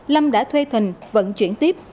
lâm đã thuê thình vận chuyển tiếp